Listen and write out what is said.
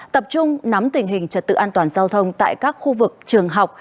tập trung nắm tình hình trật tự an toàn giao thông tại các khu vực trường học